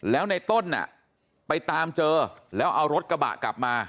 แล้วในต้นไปตามเจอแล้วเอารถกระบะกลับมา